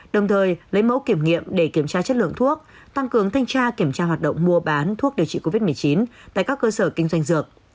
đồng thời lấy mẫu kiểm nghiệm để kiểm tra chất lượng thuốc tăng cường thanh tra kiểm tra hoạt động mua bán thuốc điều trị covid một mươi chín tại các cơ sở kinh doanh dược